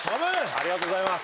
ありがとうございます。